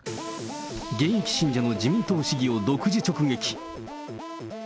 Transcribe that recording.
現役信者の自民党市議を独自直撃。